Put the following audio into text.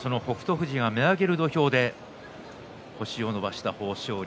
富士が見上げる土俵で星を伸ばした豊昇龍。